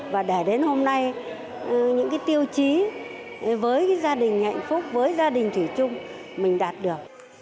và để đến hôm nay những cái tiêu chí với gia đình hạnh phúc với gia đình thủy chung mình đạt được